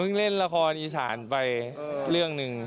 ผมเพิ่งเล่นละครอีสานไปเรื่องหนึ่ง